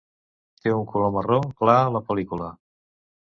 Té un color marró clar a la pel·lícula.